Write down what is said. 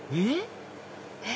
えっ？